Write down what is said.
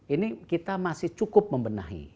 ini kita masih cukup membenahi